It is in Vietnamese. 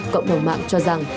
cộng đồng mạng cho rằng